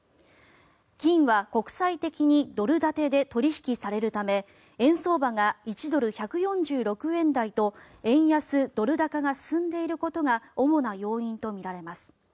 金は国際的にドル建てで取引されるため円相場が１ドル＝１４６円台と円安・ドル高が進んでいることが主な要因とみられます。